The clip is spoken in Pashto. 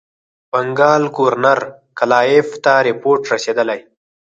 بنکال ګورنر کلایف ته رپوټ رسېدلی.